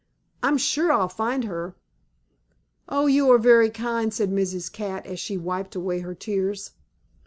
I'm sure I'll find her." "Oh, you are very kind," said Mrs. Cat, as she wiped away her tears.